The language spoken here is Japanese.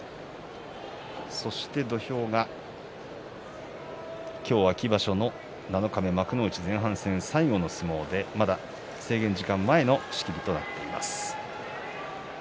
土俵が今日、秋場所の七日目幕内前半戦、最後の相撲でまだ制限時間前の仕切りとなっています。